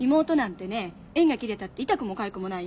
縁が切れたって痛くもかゆくもないよ。